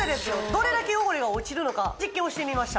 どれだけ汚れが落ちるのか実験をしてみました